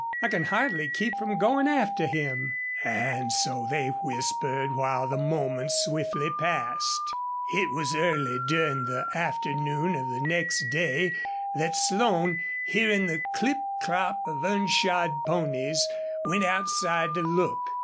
I can hardly keep from going after him." And so they whispered while the moments swiftly passed. It was early during the afternoon of the next day that Slone, hearing the clip clop of unshod ponies, went outside to look.